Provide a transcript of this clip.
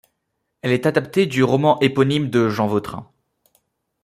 Elle est adaptée du roman éponyme de Jean Vautrin.